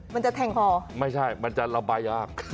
มันจะแทงคอไม่ใช่มันจะระบายยาก